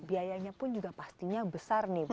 biayanya pun juga pastinya besar nih bu